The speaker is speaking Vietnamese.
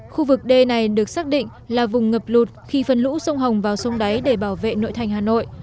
khu vực đê này được xác định là vùng ngập lụt khi phần lũ sông hồng vào sông đáy để bảo vệ nội thành hà nội